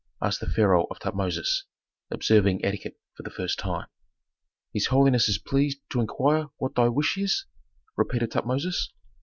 asked the pharaoh of Tutmosis, observing etiquette for the first time. "His holiness is pleased to inquire what thy wish is?" repeated Tutmosis.